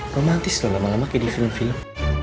romantis loh lama lama kayak di film film